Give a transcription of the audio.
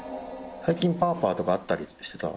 最近パーパーとか会ったりしてた？